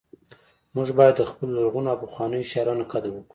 موږ باید د خپلو لرغونو او پخوانیو شاعرانو قدر وکړو